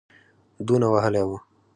دونه وهلی وو.